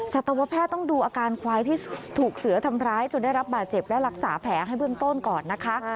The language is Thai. สัตวแพทย์ต้องดูอาการควายที่ถูกเสือทำร้ายจนได้รับบาดเจ็บและรักษาแผลให้เบื้องต้นก่อนนะคะ